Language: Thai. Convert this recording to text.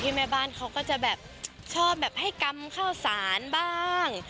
แม่บ้านเขาก็จะแบบชอบแบบให้กำข้าวสารบ้าง